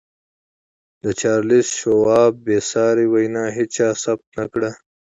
د چارليس شواب بې ساري وينا هېچا ثبت نه کړه.